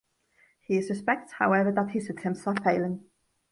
He suspects, however, that his attempts are failing.